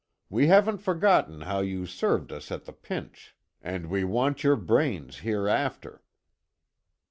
We haven't forgotten how you served us at the pinch, and we want your brains hereafter."